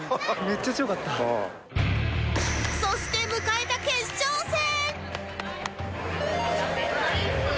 そして迎えた決勝戦